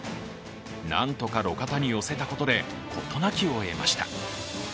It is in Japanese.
なんとか路肩に寄せたことで事なきを得ました。